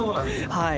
はい。